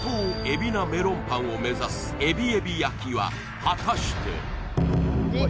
海老名メロンパンを目指すえびえび焼きは果たして？